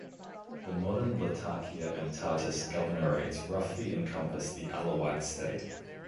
The modern Latakia and Tartus Governorates roughly encompass the Alawite State.